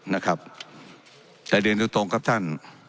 นะครับใดเรียงถูกตรงครับท่าน